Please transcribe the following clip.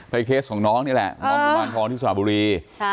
เคสของน้องนี่แหละน้องกุมารทองที่สระบุรี